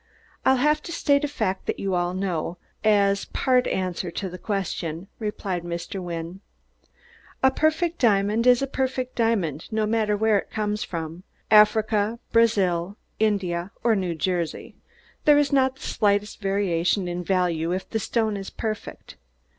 "I'll have to state a fact that you all know, as part answer to that question," replied Mr. Wynne. "A perfect diamond is a perfect diamond, no matter where it comes from Africa, Brazil, India or New Jersey. There is not the slightest variation in value if the stone is perfect.